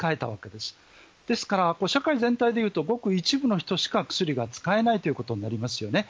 ですから、社会全体でいうとごく一部の人しか薬が使えないということになりますよね。